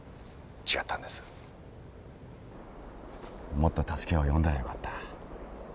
もっと助けを呼んだらよかった。